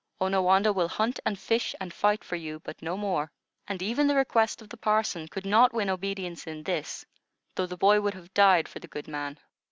Onawandah will hunt and fish and fight for you, but no more." And even the request of the parson could not win obedience in this, though the boy would have died for the good man.